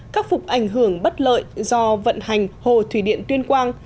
khắc phục ảnh hưởng bất lợi do vận hành hồ thủy điện tuyên quang